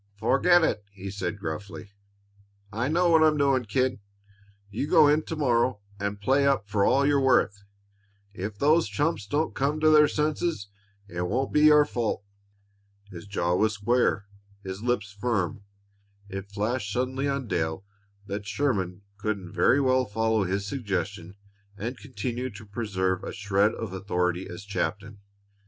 "Forget it!" he said gruffly. "I know what I'm doing, kid. You go in to morrow and play up for all you're worth. If if those chumps don't come to their senses, it won't be your fault." His jaw was square; his lips firm. It flashed suddenly on Dale that Sherman couldn't very well follow his suggestion and continue to preserve a shred of authority as captain.